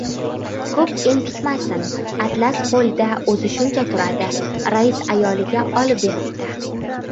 — Ko‘p entikmasin, atlas qo‘lda o‘zi shuncha turadi. Rais ayoliga olib beribdi.